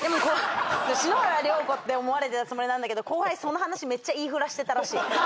篠原涼子って思われてたつもりなんだけど後輩その話めっちゃ言いふらしてたらしい。